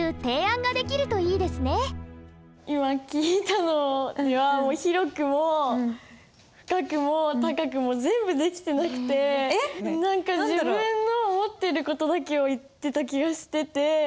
今聞いたのを広くも深くも高くも全部できてなくて何か自分の思ってる事だけを言ってた気がしてて。